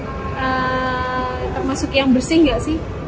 nah termasuk yang bersih gak sih